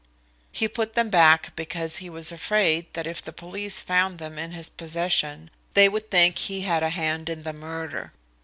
He put them back because he was afraid that if the police found them in his possession, they would think he had a hand in the murder.